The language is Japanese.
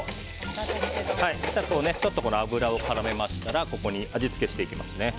ちょっと油を絡めましたらここに味付けしていきます。